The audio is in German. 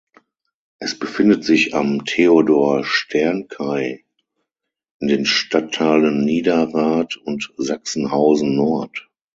Es befindet sich am "Theodor-Stern-Kai" in den Stadtteilen Niederrad und Sachsenhausen-Nord.